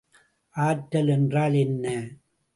ஆற்றல் என்றால் என்ன?